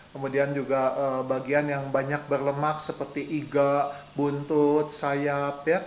kemudian juga bagian yang banyak berlemak seperti iga buntut sayap